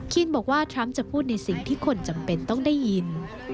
บอกว่าทรัมป์จะพูดในสิ่งที่คนจำเป็นต้องได้ยิน